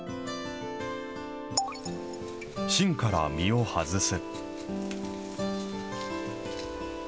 芯から実を外す。